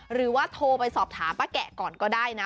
หรือว่าโทรไปสอบถามป้าแกะก่อนก็ได้นะ